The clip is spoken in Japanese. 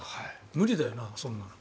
無理だよな、そんなの。